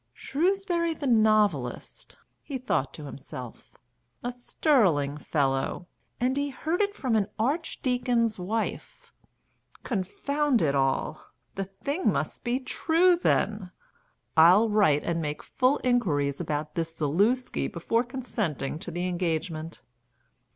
"Shrewsbury the novelist," he thought to himself. "A sterling fellow! And he heard it from an Archdeacon's wife. Confound it all! the thing must be true then. I'll write and make full inquiries about this Zaluski before consenting to the engagement."